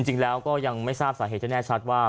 จริงแล้วก็ยังไม่ทราบสาเหตุจะแน่ชัดว่า